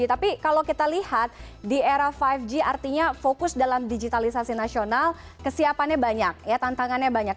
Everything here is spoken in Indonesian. tapi kalau kita lihat di era lima g artinya fokus dalam digitalisasi nasional kesiapannya banyak ya tantangannya banyak